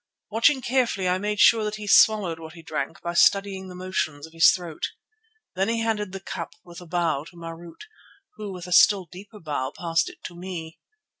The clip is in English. Watching carefully, I made sure that he swallowed what he drank by studying the motions of his throat. Then he handed the cup with a bow to Marût, who with a still deeper bow passed it to me.